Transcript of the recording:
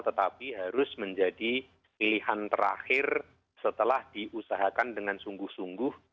tetapi harus menjadi pilihan terakhir setelah diusahakan dengan sungguh sungguh